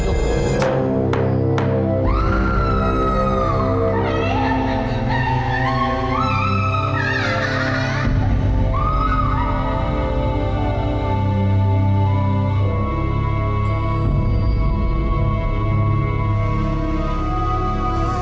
sesuai keputusan itu